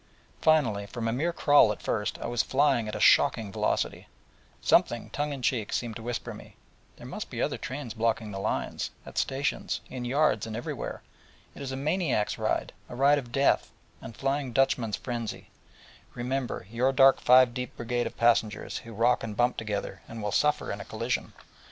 Finally, from a mere crawl at first, I was flying at a shocking velocity, while something, tongue in cheek, seemed to whisper me: 'There must be other trains blocking the lines, at stations, in yards, and everywhere it is a maniac's ride, a ride of death, and Flying Dutchman's frenzy: remember your dark five deep brigade of passengers, who rock and bump together, and will suffer in a collision.'